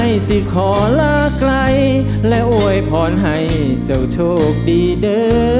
สิขอลาไกลและอวยพรให้เจ้าโชคดีเด้อ